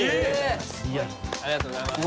ありがとうございます。